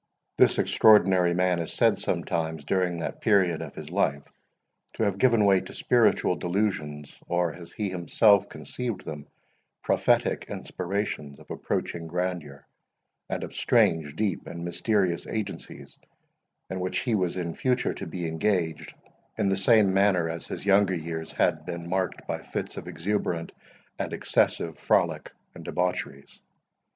This extraordinary man is said sometimes, during that period of his life, to have given way to spiritual delusions, or, as he himself conceived them, prophetic inspirations of approaching grandeur, and of strange, deep, and mysterious agencies, in which he was in future to be engaged, in the same manner as his younger years had been marked by fits of exuberant and excessive frolic and debaucheries.